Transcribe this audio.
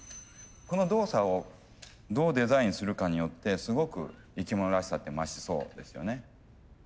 この動作をどうデザインするかによってすごく生き物らしさって増しそうですよね。